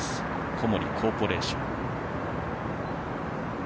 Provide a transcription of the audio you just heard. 小森コーポレーション。